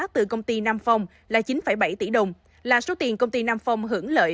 từ công ty nam phong là chín bảy tỷ đồng là số tiền công ty nam phong hưởng lợi